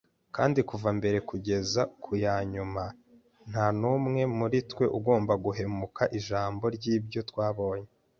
kandi kuva mbere kugeza ku ya nyuma, nta n'umwe muri twe ugomba guhumeka ijambo ry'ibyo twabonye. ”